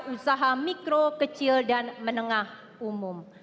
usaha mikro kecil dan menengah umum